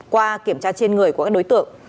qua kiểm tra trên người của các đối tượng